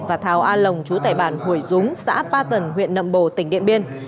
và thảo a lồng chú tải bản hồi dúng xã patan huyện nậm bồ tỉnh điện biên